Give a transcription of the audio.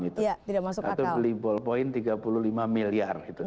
atau beli ballpoint tiga puluh lima miliar